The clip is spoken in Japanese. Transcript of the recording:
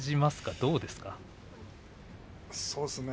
どうですか？